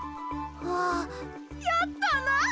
やったな！